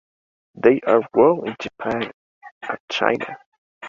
They are grown in Japan and China.